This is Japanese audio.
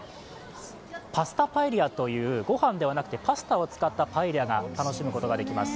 パスタパエリアという、ご飯ではなくパスタを使ったパエリアを楽しむことができます。